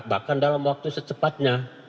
bahkan dalam waktu secepatnya